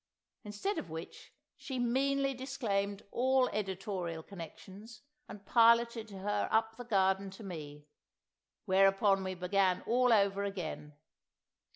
Instead of which, she meanly disclaimed all editorial connections, and piloted her up the garden to me. Whereupon we began all over again.